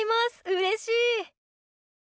うれしい！